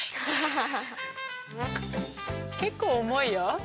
結構重いよ。